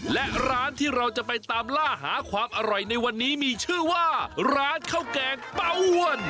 และร้านที่เราจะไปตามล่าหาความอร่อยในวันนี้มีชื่อว่าร้านข้าวแกงเป้าอ้วน